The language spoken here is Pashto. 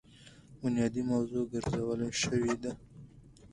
بنيادي موضوع ګرځولے شوې ده.